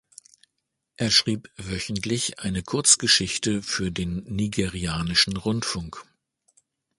Er schrieb wöchentlich eine Kurzgeschichte für den nigerianischen Rundfunk.